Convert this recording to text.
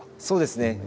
そうですね。